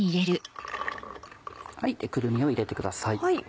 くるみを入れてください。